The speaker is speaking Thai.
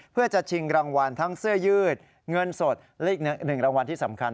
เพื่อจะชิงรางวัลทั้งเสื้อยืดเงินสดและอีก๑รางวัลที่สำคัญ